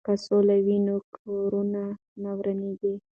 که سوله وي نو کورونه نه ورانیږي.